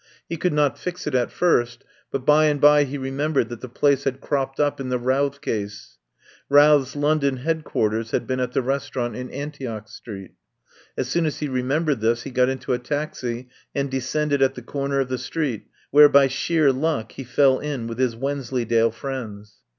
He could not fix it at first, but by and by he remembered that the place had cropped up in the Routh case. Routh's London headquarters had been at the restaurant in Antioch Street. As soon as he remembered this he got into a taxi and descended at the corner of the street, where by sheer luck he fell in with his Wensleydale friends.